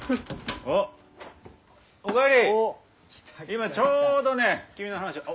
今ちょうどね君の話を。